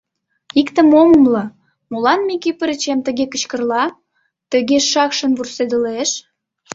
Иктым ом умыло: молан Микипырычем тыге кычкырла, тыге шакшын вурседылеш?